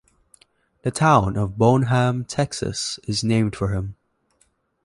The town of Bonham, Texas, is named for him.